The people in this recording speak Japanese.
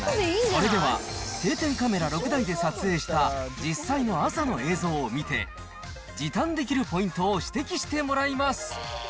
それでは、定点カメラ６台で撮影した、実際の朝の映像を見て、時短できるポイントを指摘してもらいます。